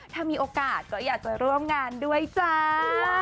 ถ้ามีโอกาสก็อยากจะร่วมงานด้วยจ้า